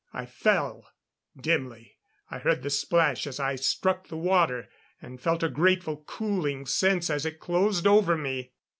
I fell. Dimly I heard the splash as I struck the water; and felt a grateful cooling sense as it closed over me.